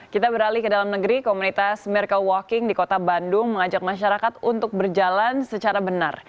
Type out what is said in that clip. kita beralih ke dalam negeri komunitas michael walking di kota bandung mengajak masyarakat untuk berjalan secara benar